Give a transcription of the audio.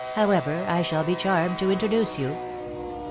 However, I shall be charmed to introduce you."